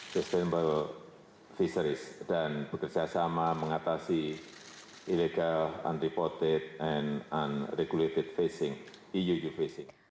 presiden baru viseris dan bekerjasama mengatasi illegal unreported and unregulated euu phasing